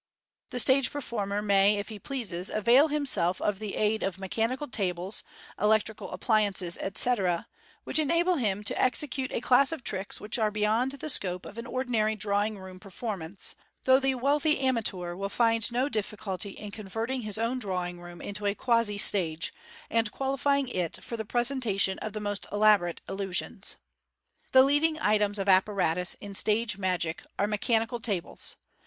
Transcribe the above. The stage per former may, if he pleases, avail himself of the aid of mechanical tables, electrical appliances, etc., which enable him to execute a class of tricks which are beyond the scope of an ordinary drawing room per formance, though the wealthy amateur will find no difficulty in converting his own drawing room into a quasi stage, and qualifying it for the presentation of the most elaborate illusions. The leading items of apparatus in stage magic are mechanical tables.